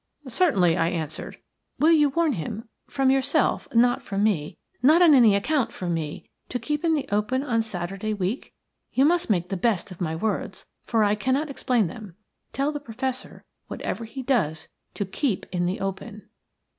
"Certainly," I answered. "Will you warn him from yourself – not from me – not on any account from me – to keep in the open on Saturday week? You must make the best of my words, for I cannot explain them. Tell the Professor, whatever he does, to keep in the open."